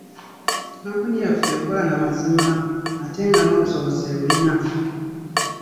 Kkampuni yaffe ekola na mazima ate nga n’obusobozi ebulina.